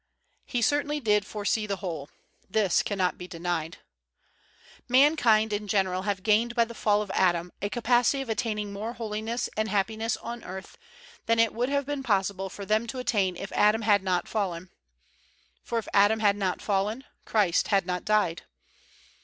He certainly did foresee the whole. This can not be denied. Mankind in general have gained by the fall of Adam a capacity of attaining more holiness and happiness on earth than it would have been possible for them to attain if Adam had not fallen. For if Adam had not fallen Christ had not died.